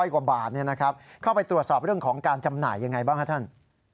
กว่าบาทเข้าไปตรวจสอบเรื่องของการจำหน่ายยังไงบ้างครับท่าน